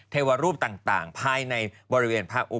แล้วท่านก็บอกว่า